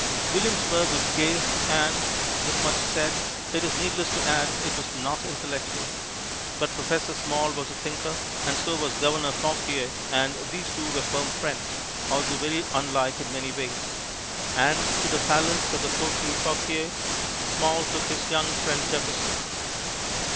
Williamsburg was gay, and, this much said, it is needless to add it was not intellectual. But Professor Small was a thinker, and so was Governor Fauquier; and these two were firm friends, although very unlike in many ways. And to "the palace" of the courtly Fauquier, Small took his young friend Jefferson.